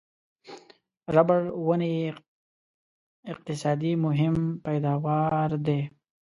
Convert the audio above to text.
ربړ ونې یې اقتصادي مهم پیداوا دي.